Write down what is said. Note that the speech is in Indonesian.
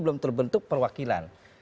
belum terbentuk perwakilan